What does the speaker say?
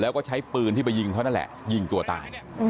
แล้วก็ใช้ปืนที่ไปยิงเขานั่นแหละยิงตัวตาย